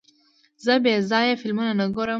زه بېځایه فلمونه نه ګورم.